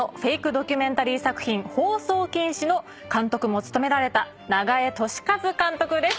ドキュメンタリー作品『放送禁止』の監督も務められた長江俊和監督です。